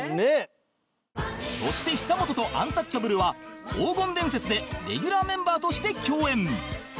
そして久本とアンタッチャブルは『黄金伝説。』でレギュラーメンバーとして共演